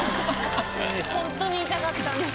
ホントに痛かったんです。